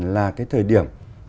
là cái thời điểm